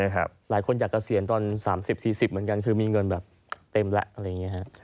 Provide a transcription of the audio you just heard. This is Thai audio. หลายคนจะเกษียณตอน๓๐๔๐เหมือนกันคือมีเงินแบบเต็มแหละ